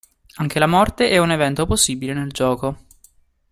Anche la morte è un evento possibile nel gioco.